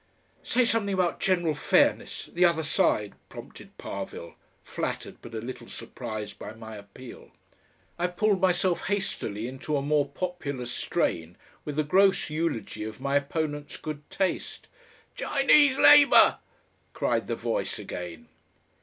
"Say something about general fairness the other side," prompted Parvill, flattered but a little surprised by my appeal. I pulled myself hastily into a more popular strain with a gross eulogy of my opponent's good taste. "Chinese labour!" cried the voice again.